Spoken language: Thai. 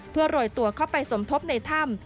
เพื่อโรยตัวเข้าไปสมทบในถ้ำ